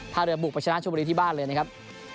เรือบุกไปชนะชมบุรีที่บ้านเลยนะครับ